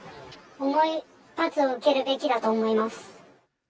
重い罰を受けるべきだと思います。